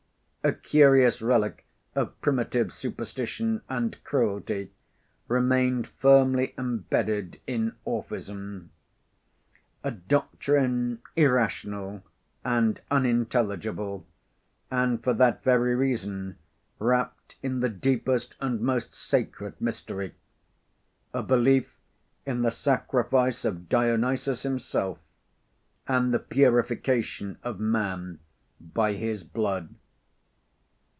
A curious relic of primitive superstition and cruelty remained firmly imbedded in Orphism a doctrine irrational and unintelligible, and for that very reason wrapped in the deepest and most sacred mystery: a belief in the sacrifice of Dionysus himself, and the purification of man by his blood.